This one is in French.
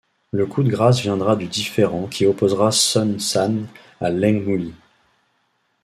Le coup de grâce viendra du différend qui opposera Son Sann à Ieng Mouly.